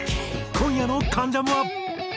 今夜の『関ジャム』は。